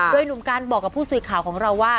โดยหนุ่มการบอกกับผู้สื่อข่าวของเราว่า